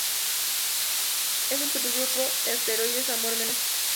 Es el subgrupo de asteroides Amor menos poblado.